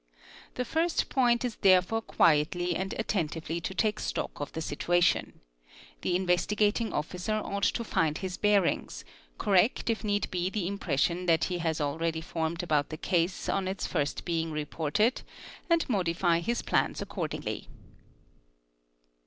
The first point is therefore quietly and attentively to take stock of the situation; the Investigating Officer ought to find his bearings, correct if need be the impression that he has already formed about the case on its first being reported, and modify his plans accordingly.